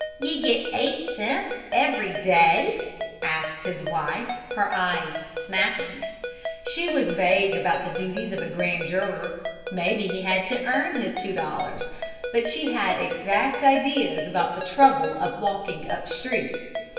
"Ye get eight cents every day?" asked his wife, her eyes snapping. She was vague about the duties of a grand juror; maybe he had to earn his two dollars; but she had exact ideas about the trouble of walking "up street."